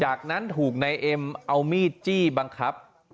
จากนั้นถูกนายเอ็มเอามีดจี้บังคับ